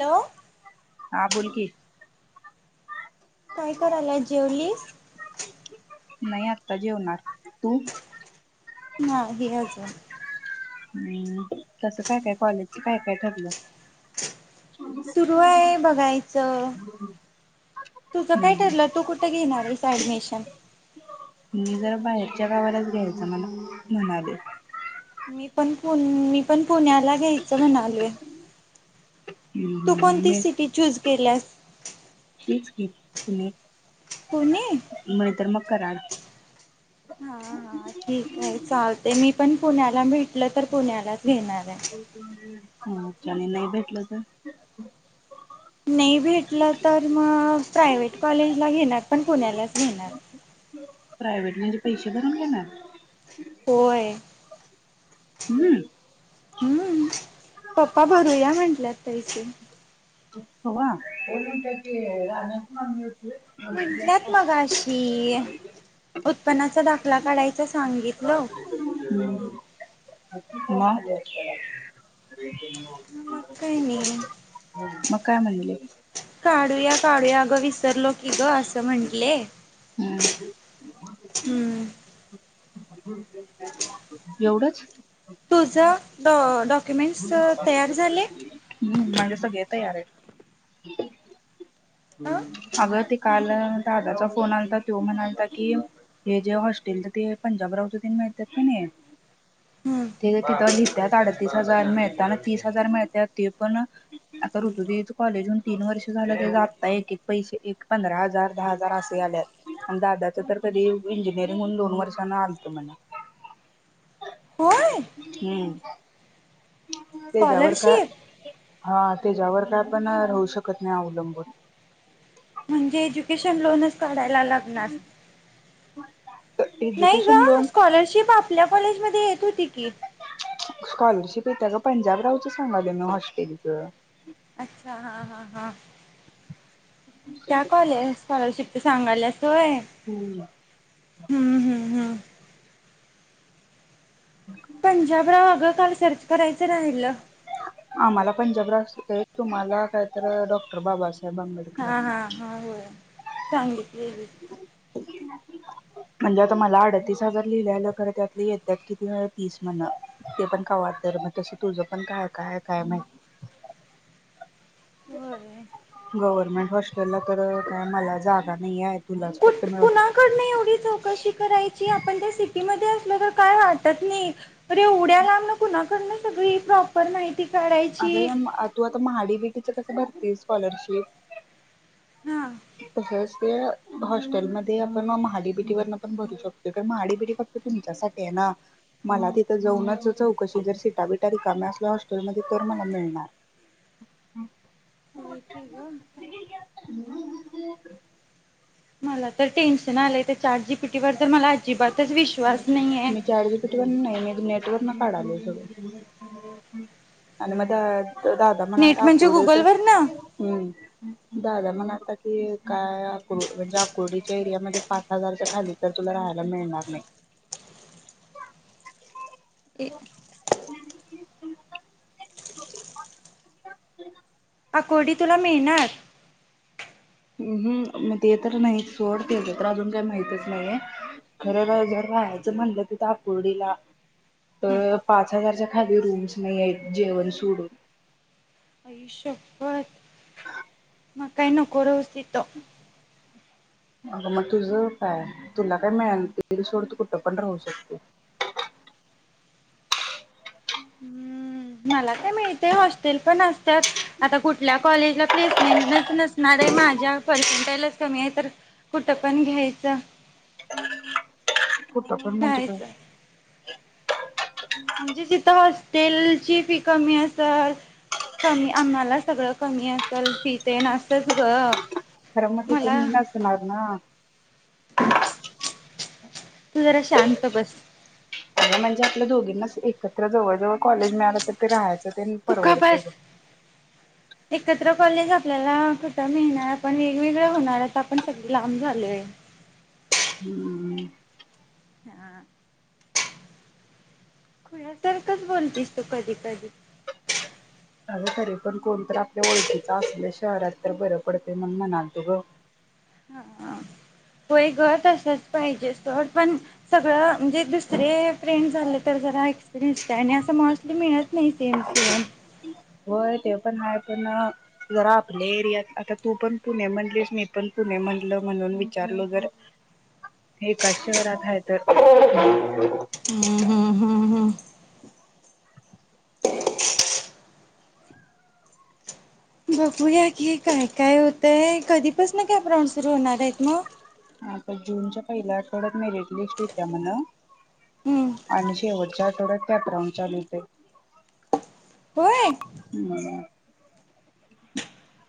Hello हा बोलकी काय कराल्यास जेवलीस? नाही आत्ता जेवणार तू? नाही आज काय हम्म तसं काय, काय कॉलेजच काय, काय ठरलं सुरू आहे बघायचं तुझं काय हम्म ठरलं? हम्म तू कुठं घेणार आहेस ऍडमिशन? त्या गावालाच घ्यायचं म्हण म्हणालोय मीपण पुणे मीपण पुण्याला घ्यायचं म्हणालोय तू हम्म कोणती हम्म सिटी चूज? केल्यास तीच की पूणे पुणे कराड हाहा हा ठीक आहे चालतय मी पण पुण्याला भेटलं तर पुण्यालाच नेणार हाय ह आपल्याला नाही भेटलं तर नाही भेटलं तर मग प्रायव्हेट कॉलेजला घेणार पण पुण्यालाच घेणार प्रायव्हेट म्हणजे पैसे भरून घेणार? होय हम्म हम्म पप्पा भरूया म्हंटल्यात पैसे तवा एक गुंट्याची रानं कुणाकडून घेतलेत म्हंटल्यात मगाशी उत्पन्नाचा दाखला काढायचा सांग हम्म ना य मग काय नाही मग काय म्हणले काढूया, काढूया अगं विसरलो की ग असं म्हटले हम्म हम्म एवढंच तुझ डॉ डॉक्युमेंट्स तयार झाले? ह अगं ते काल दादाचा फोन आलता त्यो म्हणालता की, हे जे हॉस्टेलच ते पंजाबरावच तेन मिळतात कनी हम्म त्यांनी तिथ लिहित्यात आडतीस हजार मिळताना तीस हजार मिळतात ते पण आता त्रुतू दिदीच काॅलेज होऊन तीन वर्ष झालत तेझ आता एक एक पैसे एक पंधरा हजार दहा हजार असं यायल्यात आणि दादाच तर कधी इंजिनिअर होऊन दोन वर्षाने आलत म्हणे होय हम् तेच्यावर का स्कॉलरशिप हा त्याच्यावर काय आपण राहू शकत नाही अवलंबून म्हणजे एज्युकेशन लोनच काढायला लागणार [unintelligible] नाही एज्युकेशन गं लोन स्कॉलरशिप आपल्या कॉलेज मध्ये येत होती की स्कॉलरशिप येत्या गं पंजाबरावच सांगालोय मी हॉस्टेलच अच्छा हा हा हा त्या कॉलेस स्कॉलरशिप च सांगाल्यास होय. हम्म. हम्म हम्म हम्म पंजाबराव अगं काल सर्च करायचं राहिलं. आम्हाला पंजाबराव असतील त्यावेळी तूम्हाला काय तर डॉ बाबासाहेब आंबेडकर हा असतंय. हा हा हो सांगितलीस. मला अठठतीस हजार लिहिलेलं खरं त्यातलं येत्यात किती तीस म्हणं ते पण कव्हां तर तसं तूझं पण काय काय आहे काय नाहीत? होय गव्हर्मेंट हॉस्टेलला तर काय मला जागा वाहियात. कुठं कुणाकडन एवढी चौकशी करायची आपण त्या सिटीमध्ये अस मला काय वाटत नाही. अरे येवड्या लांबन कुनाकडन? सगळी प्रॉपर [unintelligible] अगं काढायची या तु [unintelligible] कसली स्कॉलरशिप? हा तसंच ते हाॅस्टेलमध्ये आपण महाडी बीडीवरन पण भरू शकतोय पण महाडी बीडी फक्त तुमच्यासाठी आहे ना मला तिथं जाऊनच चौकशी जर शिटा बिटा रिकाम्या असल्या हॉस्टेलमध्ये तर मला मिळणार होय की गं [unintelligible] मला तर टेन्शन आलंय! ते चाट जीपीटी वर तर मला अजिबात मी चाट जी पी टी वरण नाही नेट वरण काढालोय. आणि म त्या दादा नेट म्हणालता म्हणजे आकुर्डीत गुगलवर ना हम‌् दादा म्हणालता की काय आकुरडे म्हणजे आकुरडीच्या च्या एरियामध्ये पाच हजार च्या खाली तर तूला राहायला मिळणार नाही. हम् अकोडी तुला मिळणार हम्म मग ते तर नाही सोड तेज तर अजून काही माहितच नाहीये खर जर राहायचं म्हणलं तिथ आकुर्डीला तर पाच हजारच्या खाली रूम्स नाही आहेत जेवण सोडून आयुष्य व्हय मग काय नको राहुस तिथ अगं मग तुझं काय तुला काय मिळेल सोडत तु कुठं पण राहू शकते हम्म मला काय मिळते हॉस्टेल पण असतात आता कुठल्या कॉलेजला प्लेसमेंटच नसणार आहे माझ्या पर्सनटेज कमी आहे तर कुठ पण घ्यायचं कुठ आणि पण म्हणजे काय राहायचं म्हणजे जिथं हॉस्टेलची फी कमी असल कमी आम्हाला सगळं कमी असल फी तेन असच ग खरं मग तिथ मला मी नसणार ना तू जरा शांत बस म्हणजे आपल्या दोघींनाच एकत्र जवळ जवळ कॉलेज मिळाल तर ते राहायचं तू का परवडतय बस बघ एकत्र कॉलेज आपल्याला कुठं मिळणार आपण वेगवेगळ होणार आपण सगळे लांब झालोय हम्म हा खुळ्यासारखं बोलतीस तू कधी कधी खर तरी पण कोणत तर आपल्या ओळखीचा असल्या शहरात तर बरं पडते म्हणून म्हणालतो ग हा होय ग तस असच पाहिजे सोड पण सगळं म्हणजे दुसरे फ्रेंड झाले तर जरा एक्सपिरियन्स आणि असं मोस्टली मिळत नाही सेम सेम होय ते पण हा पण जरा आपल्या एरियात आता तू पण पुणे म्हणटलीस मी पण पुणे म्हणतल म्हणून विचारलो जर एकाच शहरात हाय तर हम्म हम्म हम्म हम्म बघूया की काय काय होतय कधी पासुन कॅम्प राऊंड सुरू होणार आहेत मग आता जूनच्या पहिल्या आठवड्यात मेरिट लिस्ट येत्या म्हण हम्म आणि शेवटच्या आठवड्यात कॅप राऊंड चालू होतोय होय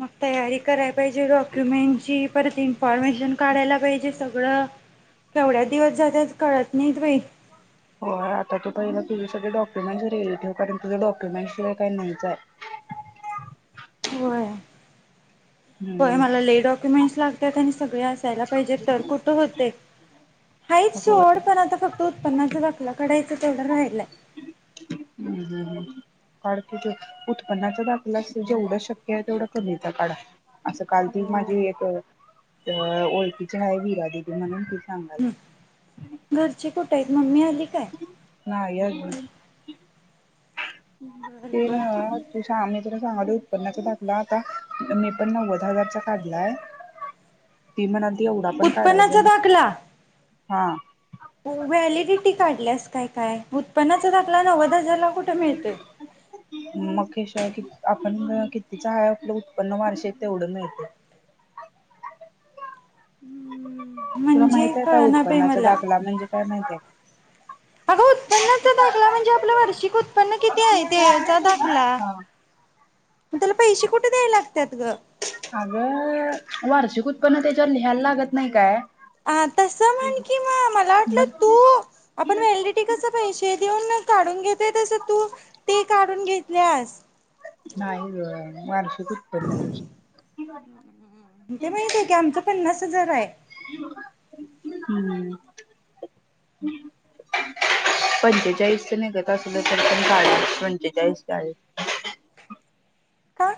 मग तयारी करायला पाहिजे डॉक्युमेंटची परत इन्फॉर्मशन काढायला पाहिजे सगळं केवढ्या दिवस जात्यात कळत नाहीत बाई होय आता ते पहिलं तुझी सगळे डॉक्युमेंट्स रेडी ठेव कारण तुझ्या डॉक्युमेंट शिवाय काही नईचं हाय हो मला लाय डक्युमेंटस लागत [inaudible] सगळे असायला पाहिजे तर कुठं होते हायच होय सोड पण आता फक्त उत्पन्नाचं आपल्याकडे एकच तेवढा राहिलाय हम्म काढ की तो उत्पन्नाच दाखला जेवढ शक्य आहे तेवढा कमीचा काढा असं काल ती माझी एक ओळखीची आहे विरा दिदी म्हणुन ती सांगालती आजी कुठ आहेत मम्मी आली काय [unintelligible] बर ते बर नव्ह ते शहाणे तुला सांगायलोय उत्पन्नाचा दाखला आता मी पण नव्वद हजारचा काढलाय ती म्हणालती एवढा पण काढायचा उत्पन्नाचा ना दाखला, हा ओ व्हॅलिडी ती काढल्यास काय काय, उत्पनाचा दाखला नव्ह मकेश क की आपण कितीचं हाय आपलं उत्पन्न वार्षिक तेवढं मिळतंय तुला म्हणजे माहित आहे का कळना उत्पन्नाच्या दाखला म्हणजे? काय माहितीय का अग हा उत्पन्नाचा दाखला म्हणजे आपलं वार्षिक उत्पन्न किती आहे ते चा दाखला उ त्याला पैशे कुट द्याय लागत्यात गं अगं वार्षिक उत्पन्न त्याच्यावर लिहायला लागत नई काय आ तस म्हण की म मला वाटलं मग तू आपण व्हॅलिडीटी कसं पैसे दिऊन काडून घेत ते तस तू ते काडून घे प्लस नाही गं वार [unintelligible] कर ना तुझं ती [unintelligible] हा ते माहिते की आमच पन्नास हजार आय हम् पंचेचाळीसच निघत असलं तर पण काडा पंचेचाळीस चाळीस का?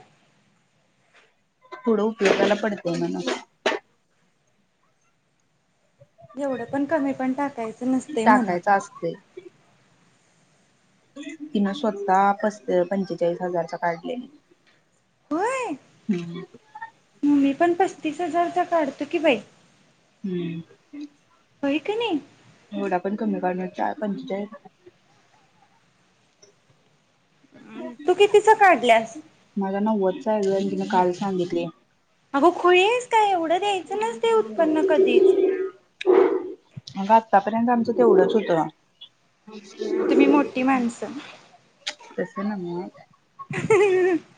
फुढं उपयोगाला पडतय म्हणं एवढं पण कमी पण टाकायचं नसतय म्हणं टाकायचं तिन स्वतः पस अ पंचेचाळीस हजारचा काढलेली होय हम् मी पण पस्तीस हजारचा काढ तूकी बाई हम् होय का नाही? गोडा पण कमी करणार चाय पण पण चाई अम तू कितीच काढल्यास [unintelligible] तिन काल सांगितली अगं खुळी येस काय एव हो, हो [unintelligible] अग आत्तापर्यंत आमचं तेवढंच होतं हा तुम्ही मोठी माणसं तसं नव्हं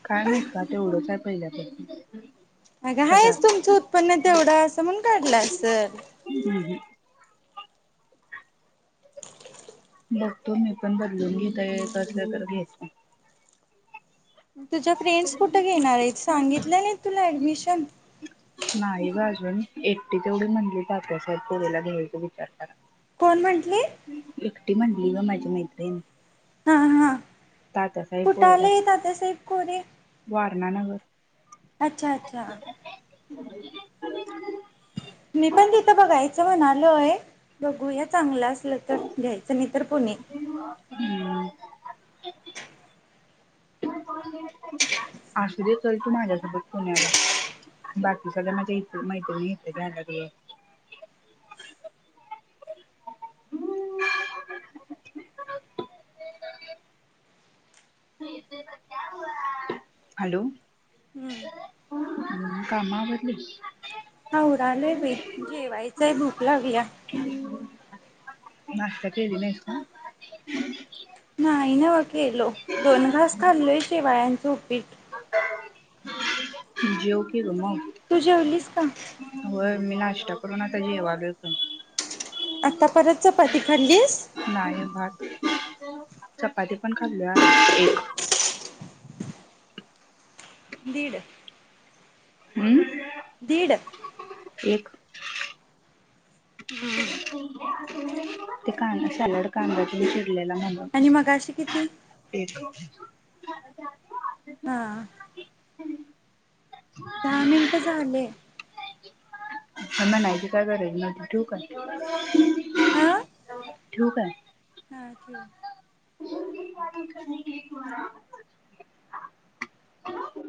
काय माहीत का तेवढंच हायत पहिलापासुन [inaudible] अग हायच तुमचं उत्पन्न तेवढच म्हणून काढल असल हम्म बघतो मी पण बदलून घेता येत असलं तर घेतो तुझ्या फ्रेंड्स कुठे घेणार आहेत सांगितलं नाही तुला ऍडमिशन नाही ग अजून एकटी तेवढी म्हणली तात्यासाहेब कोरे ला घ्यायचा विचार करा कोण म्हटली ती म्हणली गं माझी मैत्रिण हा हा तात्यासाहेब कुठे कोरेला आले [unintelligible] वारणानगर अच्छा अच्छा [unintelligible] मी पण तिथं बघायचं म्हणालोय बघूया चांगलं अस असलं तर घ्यायचं नाही तर पुणे असुदे चल तू माझ्यासोबत पुण्याला बाकी सगळ्या माझ्या मैत्रिणी इतर येतील माझ्या जवळ हॅलो हम्म काम आवरली आवरालय बाई जेवायचं आहे बघ लागलीया नाष्टा केली नाहीस ना नाही नव केेलो दोन घास खाल्लो आहे शेवाळ्यांच उपीठ जेव की ग मग तू जेवलीस का होय मी नाश्ता करून आता जेवालोय पण आता परत चपाती खाल्लीस नाही भात चपाती पण खालोय एक दीड हम्म दीड एक हम्म ते कांदा सॅलड कांदा ते चीर गेलेला म्हण आणि मगाशी किती एक [unintelligible] हा आ दहा मिनिट झाले हा म्हणायची काय गरज नाही ठेवू काय हा ठिउ काय? [inaudible] [unintelligible]